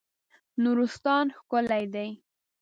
نورستان ښکلی دی.